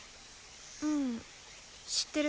うん知ってる。